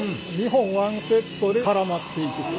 ２本１セットで絡まっていくと。